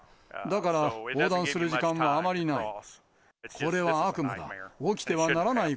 だから横断する時間はあまりない。